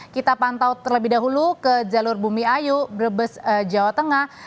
kita pantau terlebih dahulu ke jalur bumi ayu brebes jawa tengah